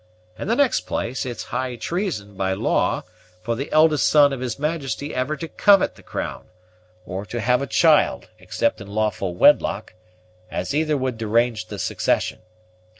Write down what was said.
In the next place, it's high treason, by law, for the eldest son of his majesty ever to covet the crown, or to have a child, except in lawful wedlock, as either would derange the succession.